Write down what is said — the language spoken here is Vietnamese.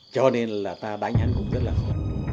cho nên là ta đánh hắn cũng rất là khó